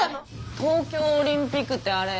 東京オリンピックってあれ